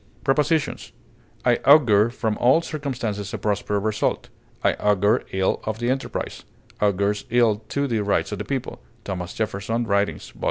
Prepositions: I augur from all circumstances a prosperous result; I augur ill of the enterprise; "augurs ill to the rights of the people," THOMAS JEFFERSON Writings vol.